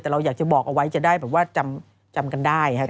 แต่เราอยากจะบอกเอาไว้จะได้จำกันได้